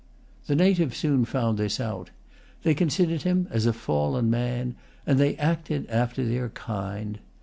The natives soon found this out. They considered him as a fallen man; and they acted after their kind.